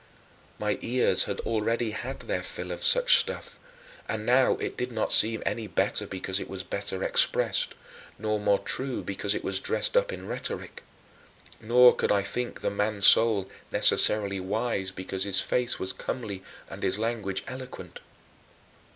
My ears had already had their fill of such stuff, and now it did not seem any better because it was better expressed nor more true because it was dressed up in rhetoric; nor could I think the man's soul necessarily wise because his face was comely and his language eloquent.